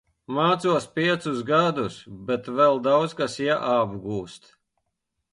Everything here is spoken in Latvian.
Mācos piecus gadus, bet vēl daudz kas jāapgūst.